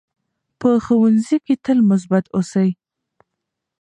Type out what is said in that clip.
په ښوونځي کې تل مثبت اوسئ.